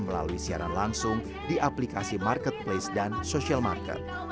melalui siaran langsung di aplikasi marketplace dan social market